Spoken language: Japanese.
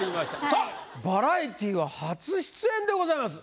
さあバラエティーは初出演でございます。